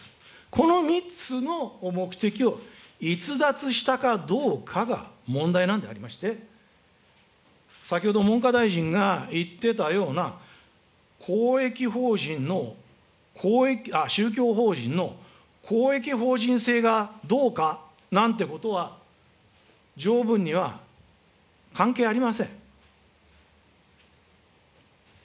この３つの目的を逸脱したかどうかが問題なんでありまして、先ほど文科大臣が言ってたような宗教法人の公益法人性がどうかなんてことは、条文には関係ありません。